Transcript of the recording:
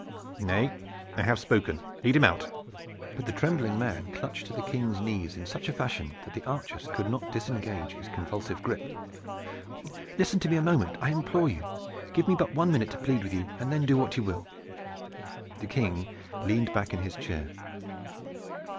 "Nay, I have spoken. Lead him out!" But the trembling man clung to the King's knees in such a fashion that the archers could not disengage his convulsive grip. "Listen to me a moment, I implore you! Give me but one minute to plead with you, and then do what you will." The King leaned back in his chair.